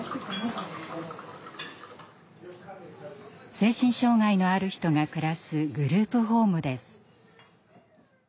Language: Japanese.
精神障害のある人が暮らすグループホームです。